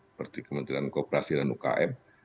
seperti kementerian kooperasi dan ukm